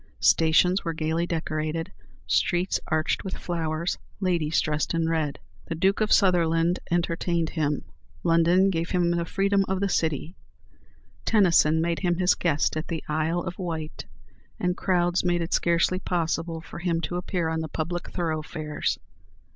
Stations were gaily decorated, streets arched with flowers, ladies dressed in red; the Duke of Sutherland entertained him; London gave him the freedom of the city; Tennyson made him his guest at the Isle of Wight; and crowds made it scarcely possible for him to appear on the public thoroughfares.